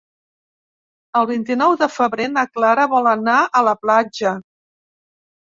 El vint-i-nou de febrer na Clara vol anar a la platja.